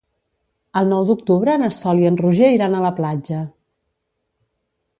El nou d'octubre na Sol i en Roger iran a la platja.